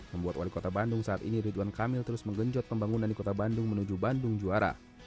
membuat wali kota bandung saat ini ridwan kamil terus menggenjot pembangunan di kota bandung menuju bandung juara